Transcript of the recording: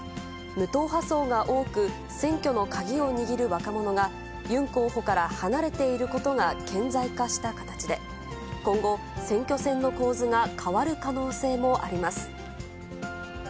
無党派層が多く、選挙の鍵を握る若者が、ユン候補から離れていることが顕在化した形で、今後、選挙戦の構図が変わる可能性もあります。